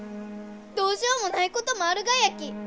どうしようもないこともあるがやき！